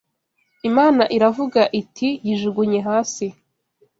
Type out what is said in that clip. Imana iravuga iti yijugunye hasi